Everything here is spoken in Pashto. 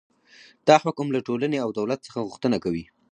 دا حکم له ټولنې او دولت څخه غوښتنه کوي.